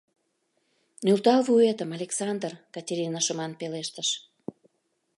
— Нӧлтал вуетым, Александр, — Катерина шыман пелештыш.